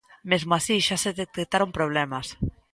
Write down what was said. Mesmo así, xa se detectaron problemas.